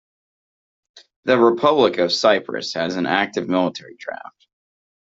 The Republic of Cyprus has an active military draft.